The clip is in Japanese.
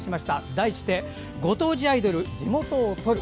題して「ご当地アイドル地元を撮る」。